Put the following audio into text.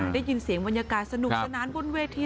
ได้ยินเสียงวันยากาศสนุกชะนั้นบนเวที่